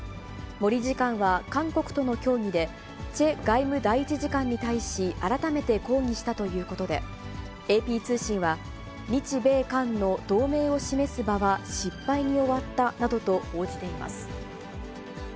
森次官は、韓国との協議で、チェ外務第１次官に対し、改めて抗議したということで、ＡＰ通信は、日米韓の同盟を示す場は失敗に終わったなどと報じています。